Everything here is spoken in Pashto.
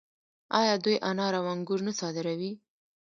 آیا دوی انار او انګور نه صادروي؟